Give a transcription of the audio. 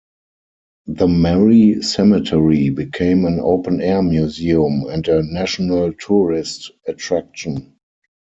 The Merry Cemetery became an open-air museum and a national tourist attraction.